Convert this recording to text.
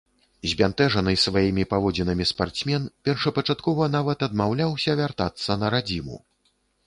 Збянтэжаны сваім паводзінамі спартсмен, першапачаткова, нават адмаўляўся вяртацца на радзіму.